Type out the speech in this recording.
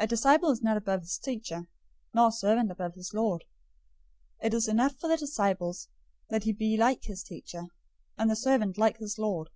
010:024 "A disciple is not above his teacher, nor a servant above his lord. 010:025 It is enough for the disciple that he be like his teacher, and the servant like his lord.